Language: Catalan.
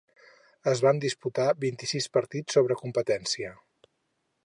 Es van disputar vint-i-sis partits sobre competència.